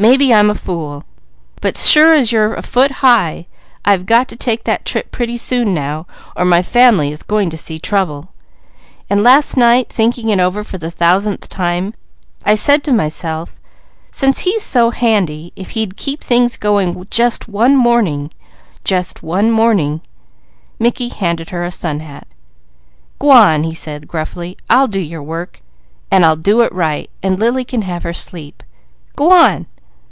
Maybe I'm a fool, but sure as you're a foot high, I've got to take that trip pretty soon now, or my family is going to see trouble. And last night thinking it over for the thousandth time I said to myself: since he's so handy, if he'd keep things going just one morning, just one morning " Mickey handed her a sun hat. "G'wan!" he said gruffly. "I'll do your work, and I'll do it right. Lily can have her sleep. G'wan!"